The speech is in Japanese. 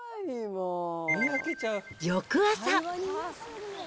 翌朝。